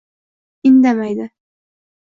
Indamaydi